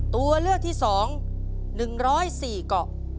ตัวเลือกที่๒๑๐๔เกาะ